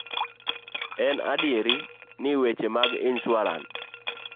En adier ni, weche mag insuaran